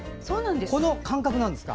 この間隔なんですか。